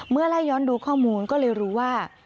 ไล่ย้อนดูข้อมูลก็เลยรู้ว่า